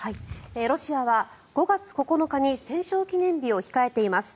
ロシアは５月９日に戦勝記念日を控えています。